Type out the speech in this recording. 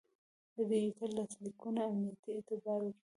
د ډیجیټل لاسلیکونه امنیتي اعتبار ورکوي.